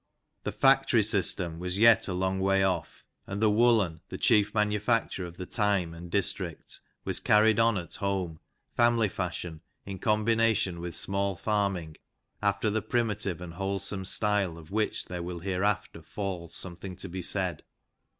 The " factory system " was yet a long way off, and the woollen, the chief manufacture of the time and district, was carried on at home, family fashion, in com bination with small farming, after the primitive and whole some style of which there will hereafter fall something to be said.